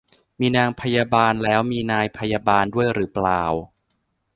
มีนางพยาบาลแล้วมีนายพยาบาลด้วยหรือเปล่า